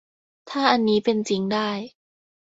ถ้าอันนี้เป็นจริงได้